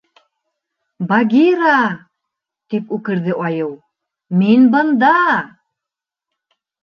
— Багира, — тип үкерҙе айыу, — мин бында!